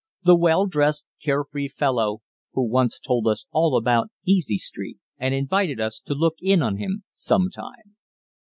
the well dressed, carefree fellow who once told us all about "Easy Street" and invited us to look in on him sometime.